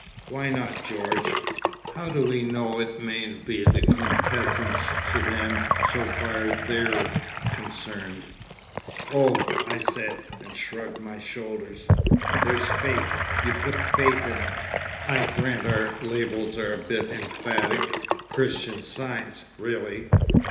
"Why not, George? How do we know it mayn't be the quintessence to them so far as they're concerned?" "Oh!" I said, and shrugged my shoulders. "There's Faith. You put Faith in 'em.... I grant our labels are a bit emphatic. Christian Science, really.